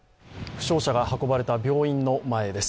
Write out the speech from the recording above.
負傷者が運ばれた病院の前です。